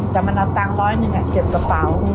แต่มันเอาตังค์ร้อยหนึ่งเก็บกระเป๋า